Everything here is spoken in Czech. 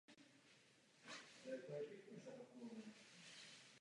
Představte si, že cestujete ze Štrasburku do některé sousední země.